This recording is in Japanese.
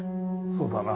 そうだな。